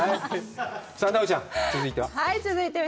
さあ、奈緒ちゃん、続いては？